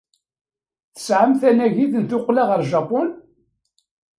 Tesɛam tanagit n tuqqla ɣer Japun?